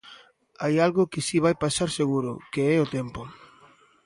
Hai algo que si vai pasar seguro, que é o tempo.